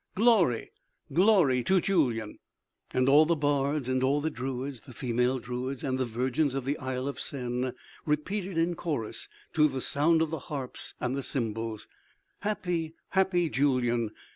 Glory, glory to Julyan!" And all the bards and all the druids, the female druids and the virgins of the Isle of Sen repeated in chorus to the sound of the harps and the cymbals: "Happy, Happy Julyan!